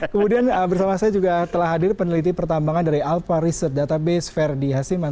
kemudian bersama saya juga telah hadir peneliti pertambangan dari alpha research database verdi hasiman